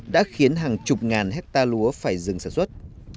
đã khiến hàng chục ngàn hectare lúa phải dừng sản xuất